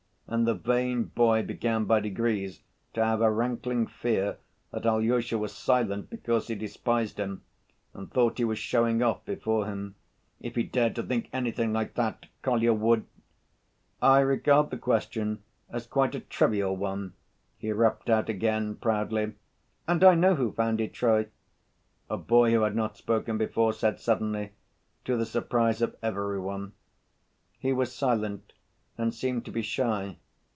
And the vain boy began by degrees to have a rankling fear that Alyosha was silent because he despised him, and thought he was showing off before him. If he dared to think anything like that Kolya would— "I regard the question as quite a trivial one," he rapped out again, proudly. "And I know who founded Troy," a boy, who had not spoken before, said suddenly, to the surprise of every one. He was silent and seemed to be shy.